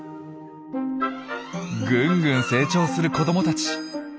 ぐんぐん成長する子どもたち。